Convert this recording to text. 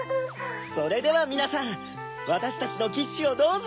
それではみなさんわたしたちのキッシュをどうぞ！